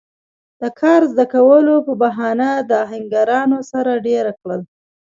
د کار زده کولو پۀ بهانه د آهنګرانو سره دېره کړل